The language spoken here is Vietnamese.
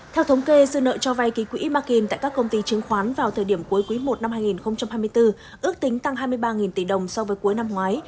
theo thống kê dư nợ cho vay ký quỹ markin tại các công ty chứng khoán vào thời điểm cuối quý i năm hai nghìn hai mươi bốn ước tính tăng hai mươi ba tỷ đồng so với cuối năm ngoái